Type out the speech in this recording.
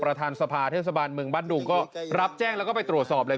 ประธานสภาเทศบาลเมืองบ้านดุงก็รับแจ้งแล้วก็ไปตรวจสอบเลย